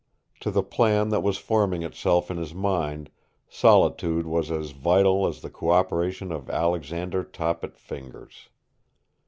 To the plan that was forming itself in his mind, solitude was as vital as the cooperation of Alexander Toppet Fingers.